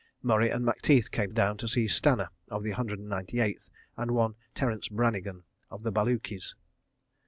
Murray and Macteith came down to see Stanner, of the Hundred and Ninety Eighth, and one Terence Brannigan, of the Baluchis.